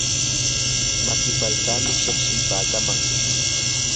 maki paltami shiqshipaaman.